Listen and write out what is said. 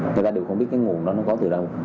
người ta đều không biết cái nguồn đó nó có từ đâu